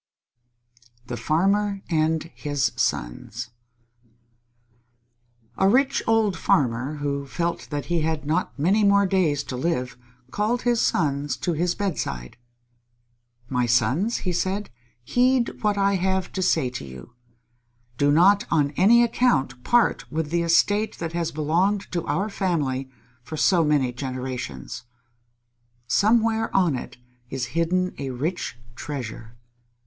_ THE FARMER AND HIS SONS A rich old farmer, who felt that he had not many more days to live, called his sons to his bedside. "My sons," he said, "heed what I have to say to you. Do not on any account part with the estate that has belonged to our family for so many generations. Somewhere on it is hidden a rich treasure.